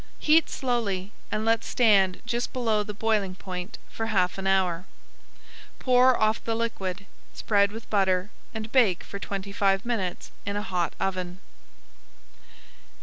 Heat slowly and let stand just below the boiling point for half an hour. Pour off [Page 133] the liquid, spread with butter, and bake for twenty five minutes in a hot oven.